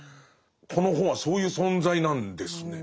この本はそういう存在なんですね。